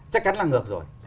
chắc chắn là ngược rồi